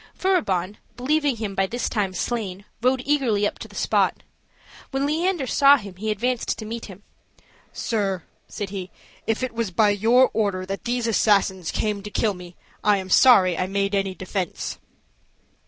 Furibon, believing him by this time slain, rode eagerly up to the spot. When Leander saw him he advanced to meet him. "Sir," said he, "if it was by your order that these assassins came to kill me, I am sorry I made any defense."